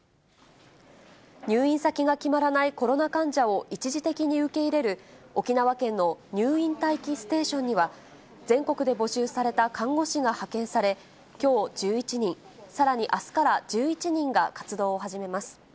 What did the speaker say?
入院先が決まらないコロナ患者を一時的に受け入れる沖縄県の入院待機ステーションには、全国で募集された看護師が派遣され、きょう１１人、さらにあすから１１人が活動を始めます。